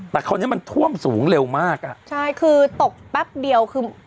แต่คราวนี้มันท่วมสูงเร็วมากอ่ะใช่คือตกแป๊บเดียวคือ